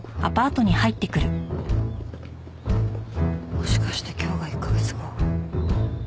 もしかして今日が１カ月後？